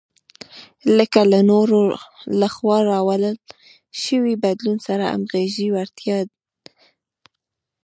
لکه له نورو لخوا راوړل شوي بدلون سره د همغږۍ وړتیا.